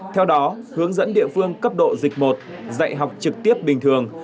theo đó hướng dẫn địa phương cấp độ dịch một dạy học trực tiếp bình thường